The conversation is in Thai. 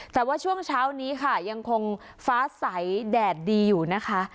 แต่ว่าช่วงเช้านี้ค่ะยังคงฟ้าใสแดดดีอยู่นะคะ